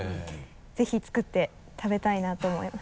ぜひ作って食べたいなと思います。